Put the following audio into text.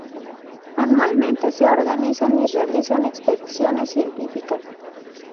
Anualmente se organizan y realizan expediciones científicas.